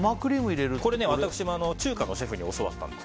これ、私も中華のシェフに教わったんです。